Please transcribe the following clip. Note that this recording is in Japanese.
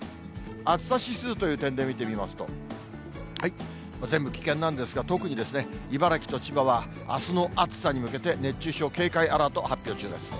暑さ指数という点で見てみますと、全部危険なんですが、特に茨城と千葉は、あすの暑さに向けて、熱中症警戒アラート、発表中です。